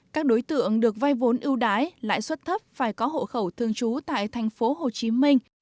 các đối tượng được vai vốn ưu đãi lãi suất thấp phải có hộ khẩu thương chú tại thành phố hồ chí minh